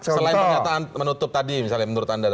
selain penyataan menutup tadi menurut anda